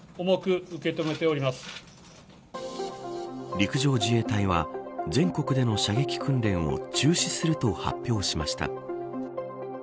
陸上自衛隊は全国での射撃訓練を中止すると発表しました。